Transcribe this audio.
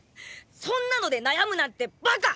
そんなので悩むなんてバカ！